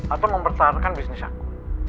atau mempertahankan bisnis aku